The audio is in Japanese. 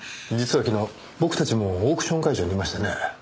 実は昨日僕たちもオークション会場にいましてね。